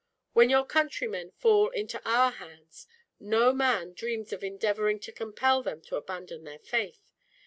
When your countrymen fall into our hands, no man dreams of endeavoring to compel them to abandon their faith.